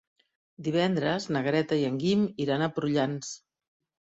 Divendres na Greta i en Guim iran a Prullans.